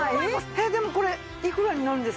えっでもこれいくらになるんですかね？